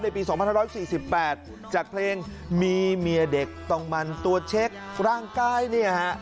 ปี๒๕๔๘จากเพลงมีเมียเด็กต้องมันตัวเช็คร่างกายเนี่ยฮะ